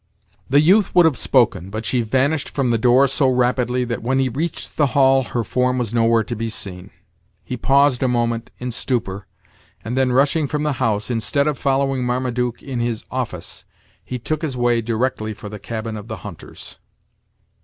The youth would have spoken, but she vanished from the door so rapidly, that when he reached the hall her form was nowhere to be seen. He paused a moment, in stupor, and then, rushing from the house, instead of following Marmaduke in his "office," he took his way directly for the cabin of the hunters.